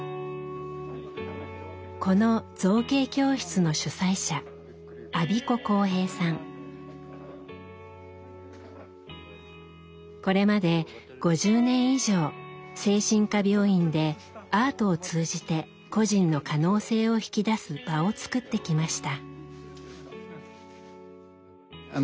この造形教室のこれまで５０年以上精神科病院でアートを通じて個人の可能性を引き出す場を作ってきました。